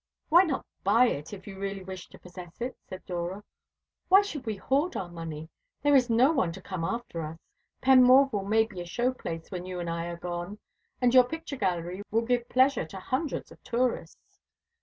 "Why not buy it, if you really wish to possess it?" said Dora. "Why should we hoard our money? There is no one to come after us. Penmorval may be a show place when you and I are gone, and your picture gallery will give pleasure to hundreds of tourists."